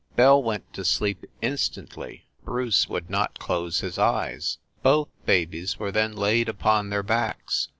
Belle went to sleep instantly ; Bruce would not close his eyes. Both babies were then laid upon their backs.